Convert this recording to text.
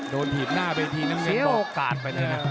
โดนหีบหน้าไปที่น้ำเงินบอกกาดไปเลยนะ